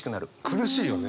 苦しいよね。